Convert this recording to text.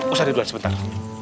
ustadzah nulul sebentar